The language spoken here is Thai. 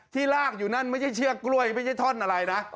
ลากอยู่นั่นไม่ใช่เชือกกล้วยไม่ใช่ท่อนอะไรนะ